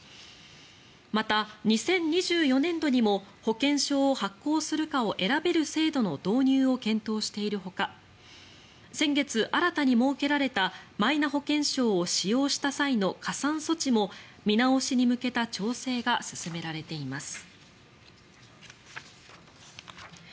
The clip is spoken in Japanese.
また、２０２４年度にも保険証を発行するかを選べる制度の導入を検討しているほか先月、新たに設けられたマイナ保険証を使用した際の加算措置も見直しに向けた調整が進められています。